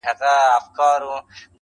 گـــډ وډ يـهـــوديـــان